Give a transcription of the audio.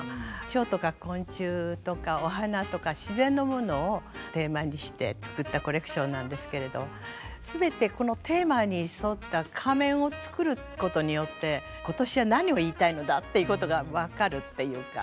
蝶とか昆虫とかお花とか自然のものをテーマにして作ったコレクションなんですけれど全てこのテーマに沿った仮面を作ることによって今年は何を言いたいのだっていうことが分かるっていうか。